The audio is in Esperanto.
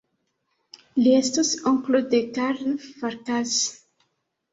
Li estis onklo de Karl Farkas.